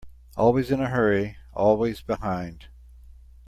Always in a hurry, always behind.